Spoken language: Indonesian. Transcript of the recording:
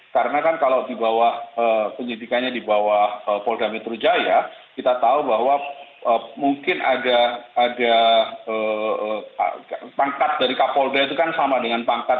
karena kan kalau di bawah penyidikannya di bawah polda metro jaya kita tahu bahwa mungkin ada pangkat dari kapolda itu kan sama dengan pangkat